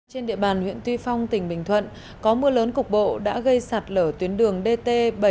trên địa bàn huyện tuy phong tỉnh bình thuận có mưa lớn cục bộ đã gây sạt lở tuyến đường dt bảy trăm bốn mươi